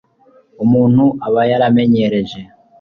umuntu aba yaramenyereje